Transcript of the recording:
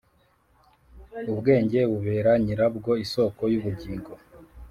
ubwenge bubera nyirabwo isōko y’ubugingo,